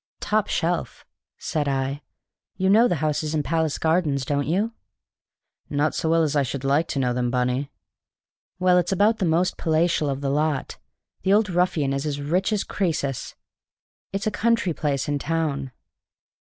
"Top shelf," said I. "You know the houses in Palace Gardens, don't you?" "Not so well as I should like to know them, Bunny." "Well, it's about the most palatial of the lot. The old ruffian is as rich as Crœsus. It's a country place in town."